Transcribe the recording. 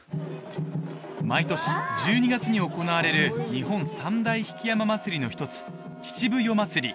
毎年１２月に行われる日本三大曳山祭の一つ秩父夜祭